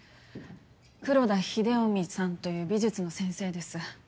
黒田秀臣さんという美術の先生です。